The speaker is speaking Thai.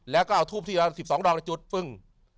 แล้วก็เอาทูปที่ละ๑๒ดอกในจุดฟึ้ง